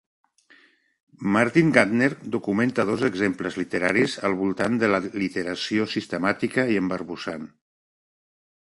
Martin Gardner documenta dos exemples literaris al voltant de l'al·literació sistemàtica i embarbussant.